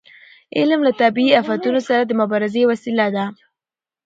علم له طبیعي افتونو سره د مبارزې وسیله ده.